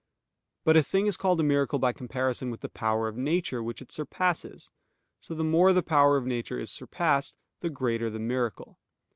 But a thing is called a miracle by comparison with the power of nature which it surpasses. So the more the power of nature is surpassed, the greater the miracle.